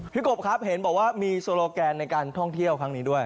กบครับเห็นบอกว่ามีโซโลแกนในการท่องเที่ยวครั้งนี้ด้วย